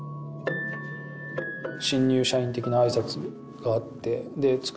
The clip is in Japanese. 新入社員的な挨拶があって机